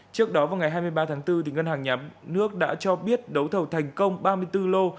trước đó vào ngày hai mươi ba tháng bốn ngân hàng nhà nước đã cho biết đấu thầu thành công ba mươi bốn lô